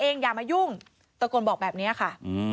อย่ามายุ่งตะโกนบอกแบบนี้ค่ะ